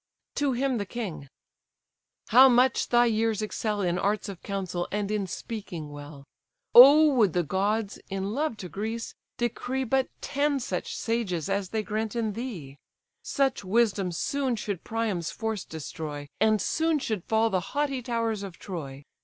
To him the king: "How much thy years excel In arts of counsel, and in speaking well! O would the gods, in love to Greece, decree But ten such sages as they grant in thee; Such wisdom soon should Priam's force destroy, And soon should fall the haughty towers of Troy!